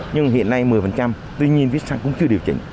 nhưng hiện nay một mươi tuy nhiên viết xăng cũng chưa điều chỉnh